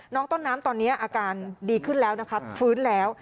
น้องต้นน้ำตอนนี้อาการดีขึ้นแล้วนะคะฟื้นแล้ว